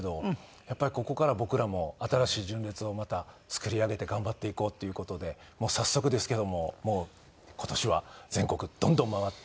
やっぱりここから僕らも新しい純烈をまた作り上げて頑張っていこうっていう事で早速ですけどももう今年は全国どんどん回って。